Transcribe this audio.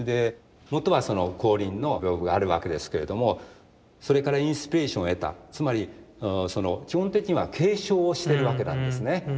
もとは光琳の屏風があるわけですけれどもそれからインスピレーションを得たつまり基本的には継承をしてるわけなんですね。